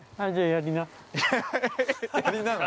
◆やりななの？